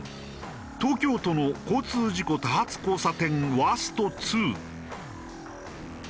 東京都の交通事故多発交差点ワースト２。